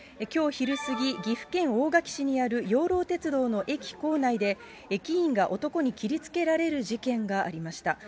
きょう昼過ぎ、岐阜県大垣市にある養老鉄道の駅構内で、駅員が男に切りつけられる事件がありました。